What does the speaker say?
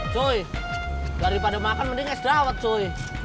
cuy daripada makan mending es dawet cuy